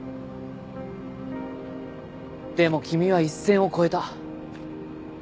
でも君は一線を越えた。